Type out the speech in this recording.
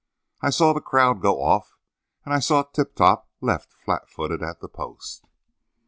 I saw the crowd go off, and I saw Tip Top left flat footed at the post."